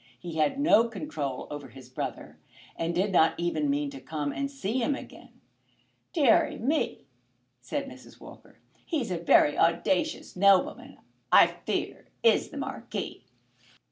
He had no control over his brother, and did not even mean to come and see him again. "Dearie me!" said Mrs. Walker; "he's a very owdacious nobleman, I fear, is the Marquis."